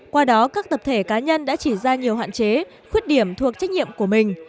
qua đó các tập thể cá nhân đã chỉ ra nhiều hạn chế khuyết điểm thuộc trách nhiệm của mình